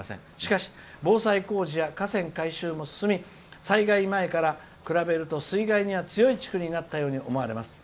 しかし、防災工事や河川改修も進み災害前から比べると水害には強い地区になったと思います」。